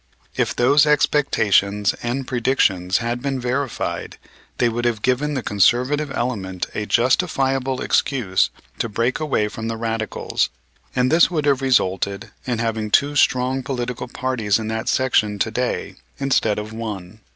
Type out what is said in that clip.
If those expectations and predictions had been verified they would have given the conservative element a justifiable excuse to break away from the radicals, and this would have resulted in having two strong political parties in that section to day instead of one.